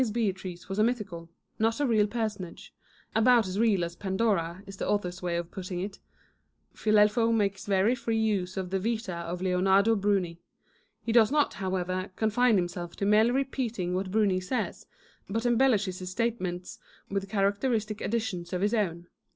xxviii LETTERS OF DANTE Beatrice was a mythical, not a real personage — ahout as real as Pandora, is the author's way of putting it — Filelfo makes very free use of the Vita of Leonardo Bruni. He does not, however, confine himself to merely repeating what Bruni says, hut embellishes his statements with characteristic additions of his own.